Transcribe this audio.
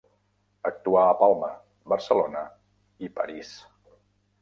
Actuà a Palma, Barcelona i París.